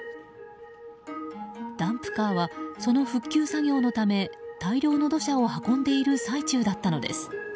ダンプカーはその復旧作業のため大量の土砂を運んでいる最中だったのです。